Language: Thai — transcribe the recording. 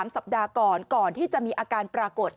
สัปดาห์ก่อนก่อนที่จะมีอาการปรากฏ